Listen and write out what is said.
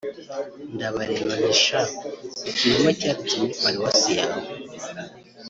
ndabareba nti sha ikinyoma cyaritse muri paruwasi yawe